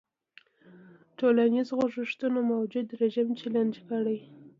ټولنیز خوځښتونه موجوده رژیم چلنج کړي.